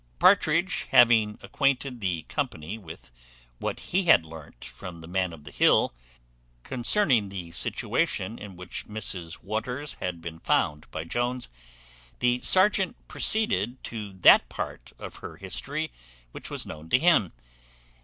Partridge having acquainted the company with what he had learnt from the Man of the Hill concerning the situation in which Mrs Waters had been found by Jones, the serjeant proceeded to that part of her history which was known to him.